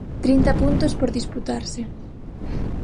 Trinta puntos por disputarse.